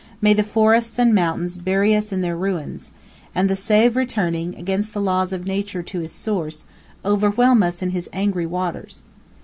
May the forests and mountains bury us in their ruins! and the Save returning, against the laws of nature, to his source, overwhelm us in his angry waters!"